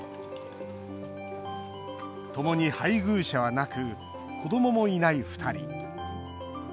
共に配偶者はなく子どももいない２人。